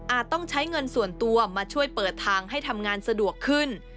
ต้องใช้เงินส่วนตัวมาช่วยเปิดทางให้ทำงานสะดวกขึ้น